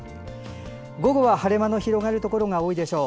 午後は晴れ間の広がるところが多いでしょう。